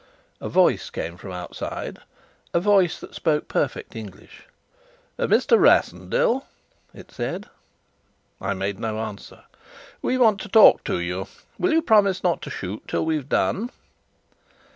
A voice came from outside a voice that spoke perfect English. "Mr. Rassendyll," it said. I made no answer. "We want to talk to you. Will you promise not to shoot till we've done?"